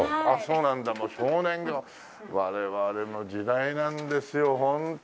『少年画報』我々の時代なんですよホントに。